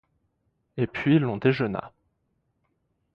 Et puis l’on déjeuna.